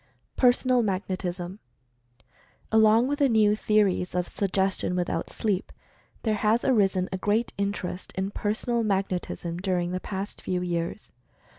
PERSONAL MAGNETISM. Along with the new theories of "Suggestion without Sleep," there has arisen a great interest in "Personal 38 Mental Fascination Magnetism," during the past few years.